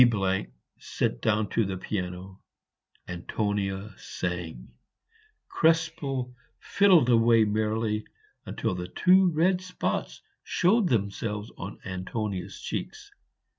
B sat down to the piano; Antonia sang; Krespel fiddled away merrily, until the two red spots showed themselves on Antonia's cheeks.